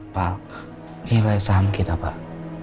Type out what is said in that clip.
pak nilai saham kita pak